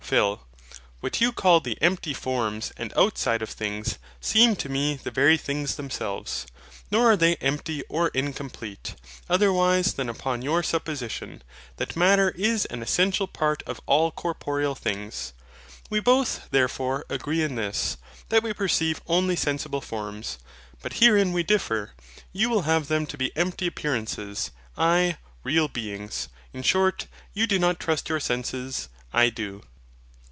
PHIL. What you call the empty forms and outside of things seem to me the very things themselves. Nor are they empty or incomplete, otherwise than upon your supposition that Matter is an essential part of all corporeal things. We both, therefore, agree in this, that we perceive only sensible forms: but herein we differ you will have them to be empty appearances, I, real beings. In short, you do not trust your senses, I do.